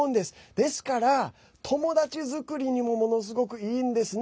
ですから、友達作りにもものすごくいいんですね。